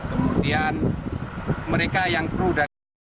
kemudian mereka yang kru dan pesawat yang dijemput